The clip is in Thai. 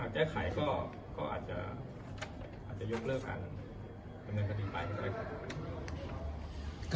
อ่าแก้ไขก็ก็อาจจะอาจจะยกเลิกการเงินคดีไป